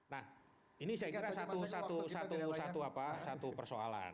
nah ini saya kira satu persoalan